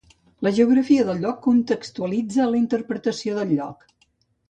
La geografia del lloc contextualitza la interpretació del lloc.